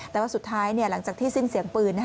แต่ว่าสุดท้ายหลังจากที่สิ้นเสียงปืน